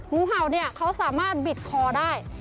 งูเห่าเขาสามารถบิดคอได้